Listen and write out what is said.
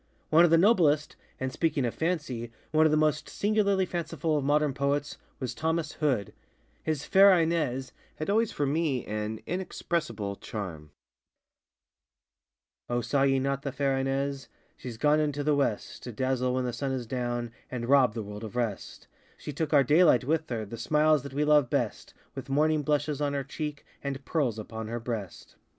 One of the noblestŌĆöand, speaking of FancyŌĆöone of the most singularly fanciful of modern poets, was Thomas Hood. His ŌĆ£Fair InesŌĆØ had always for me an inexpressible charm:ŌĆö O saw ye not fair Ines? SheŌĆÖs gone into the West, To dazzle when the sun is down, And rob the world of rest; She took our daylight with her, The smiles that we love best, With morning blushes on her cheek, And pearls upon her breast.